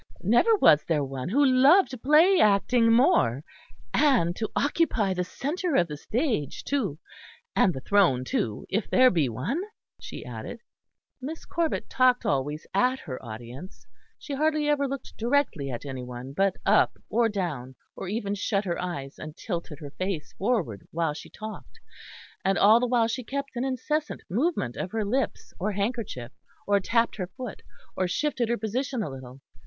"Never was there one who loved play acting more and to occupy the centre of the stage, too. And the throne too, if there be one," she added. Miss Corbet talked always at her audience; she hardly ever looked directly at any one, but up or down, or even shut her eyes and tilted her face forward while she talked; and all the while she kept an incessant movement of her lips or handkerchief, or tapped her foot, or shifted her position a little.